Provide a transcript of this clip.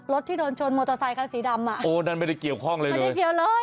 ที่โดนชนมอเตอร์ไซคันสีดำอ่ะโอ้นั่นไม่ได้เกี่ยวข้องเลยนะไม่ได้เกี่ยวเลย